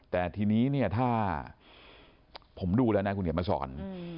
แต่ทีนี้เนี่ยถ้าผมดูแล้วนะคุณเขียนมาสอน